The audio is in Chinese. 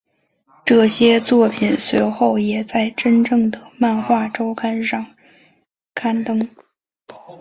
这些作品随后也在真正的漫画周刊上刊登。